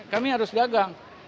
kami harus dagang